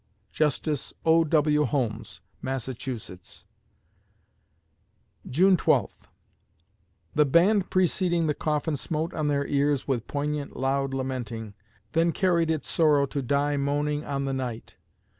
JUSTICE O. W. HOLMES (Massachusetts) June Twelfth The band preceding the coffin smote on their ears with poignant loud lamenting, then carried its sorrow to die moaning on the night.